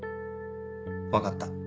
分かった。